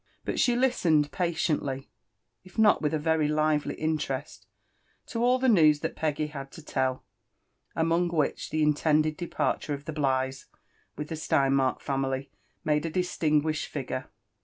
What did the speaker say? Bia sh§ listened patiently, if not with a very lively interest, to all Ihe n^vTsthat Peggy had to tell, among which the Intended depaHure of thtf fillghs with the Sleinmark family made a dtslinguishcd figure.